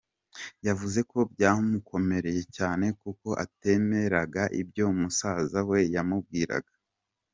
Yavuze ko byamukomereye cyane kuko atemeraga ibyo musaza we yamubwiraga.